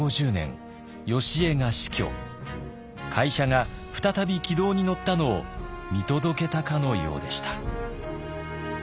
会社が再び軌道に乗ったのを見届けたかのようでした。